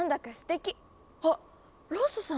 あっロッソさん